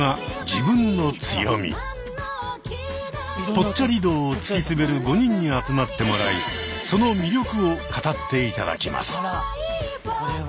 ぽっちゃり道を突き詰める５人に集まってもらいその魅力を語って頂きます。